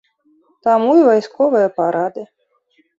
Таму і вайсковыя парады.